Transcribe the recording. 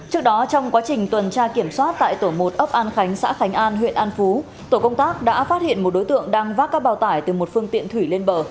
trước đó trong quá trình tuần tra kiểm soát tại tổ một ấp an khánh xã khánh an huyện an phú tổ công tác đã phát hiện một đối tượng đang vác các bào tải từ một phương tiện thủy lên bờ